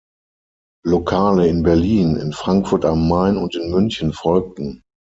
Lokale in Berlin, in Frankfurt am Main und in München folgten.